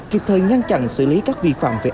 kịp thời ngăn chặn xử lý các vi phạm về